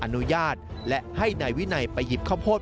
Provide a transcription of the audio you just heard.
อนุญาตและให้นายวินัยไปหยิบข้าวโพด